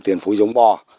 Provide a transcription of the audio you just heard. tiền phối giống bò